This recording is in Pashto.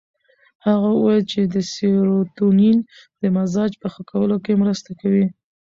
هغه وویل چې سیروتونین د مزاج په ښه کولو کې مرسته کوي.